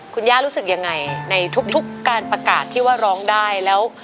คุณย่ารู้สึกยังไงในทุกการประกาศที่ว่าร้องได้แล้ว